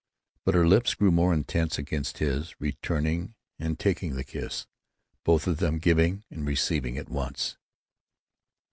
But her lips grew more intense against his, returning and taking the kiss; both of them giving and receiving at once.